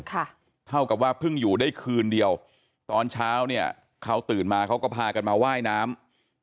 เท่ากับว่าเพิ่งอยู่ได้คืนเดียวตอนเช้าเนี่ยเขาตื่นมาเขาก็พากันมาว่ายน้ำ